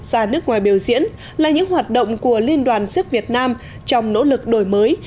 ra nước ngoài biểu diễn là những hoạt động của liên đoàn siếc việt nam trong nỗ lực đổi mới